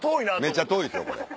めっちゃ遠いですよこれ。